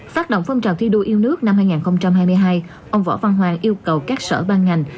phát động phong trào thi đua yêu nước năm hai nghìn hai mươi hai ông võ văn hoàng yêu cầu các sở ban ngành